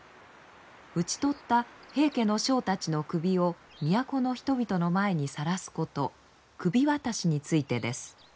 討ち取った平家の将たちの首を都の人々の前にさらすこと首渡しについてです。